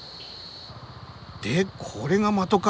でこれが的か。